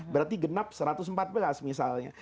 berarti genap satu ratus empat belas misalnya